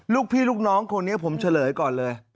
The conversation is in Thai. ลูกพี่ลูกน้องคนนี้ผมเฉลยก่อนเลย